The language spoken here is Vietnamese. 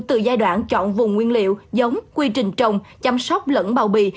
từ giai đoạn chọn vùng nguyên liệu giống quy trình trồng chăm sóc lẫn bao bì